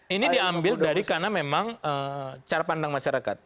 ini diambil dari karena memang cara pandang masyarakat